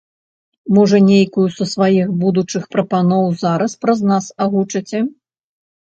Можа, нейкую са сваіх будучых прапаноў зараз праз нас агучыце?